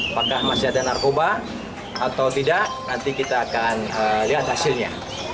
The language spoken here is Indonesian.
apakah masih ada narkoba atau tidak nanti kita akan lihat hasilnya